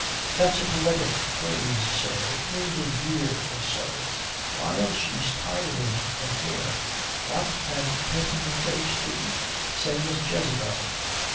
"That's a poetic phrase, sir. It means a year or so while she's tiring her hair." "What and painting her face, too? Same as Jezebel."